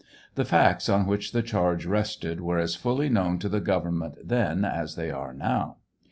The facts on which the charge rested were as fully known to the government then as they are now.